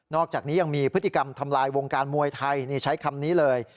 อกจากนี้ยังมีพฤติกรรมทำลายวงการมวยไทยนี่ใช้คำนี้เลย